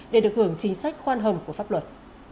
để được hưởng chính sách khoan hầm của pháp luật